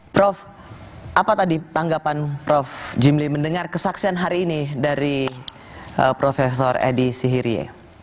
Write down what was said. prof apa tadi tanggapan prof jimli mendengar kesaksian hari ini dari prof edi sihrie